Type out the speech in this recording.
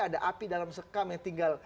ada api dalam sekam yang tinggal